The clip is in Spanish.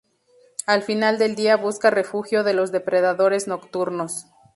Al final del día busca refugio de los depredadores nocturnos.